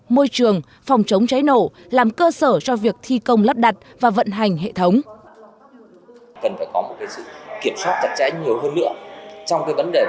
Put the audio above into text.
môi trường phòng chống cháy nổ làm cơ sở cho việc thi công lắp đặt và vận hành hệ thống